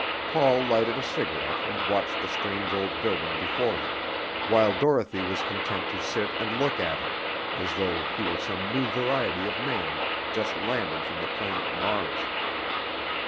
Paul lighted a cigarette and watched the strange old building before him, while Dorothy was content to sit and look at him, as though he were some new variety of man just landed from the planet Mars.